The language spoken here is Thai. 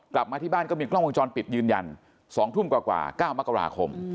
กลับมาที่บ้านก็มีกล้องวงจรปิดยืนยัน๒ทุ่มกว่า๙มกราคม